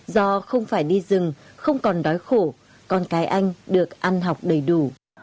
do không phải đi rừng không còn đói khổ con cái anh được ăn học đầy đủ